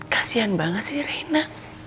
kasihan banget sih reina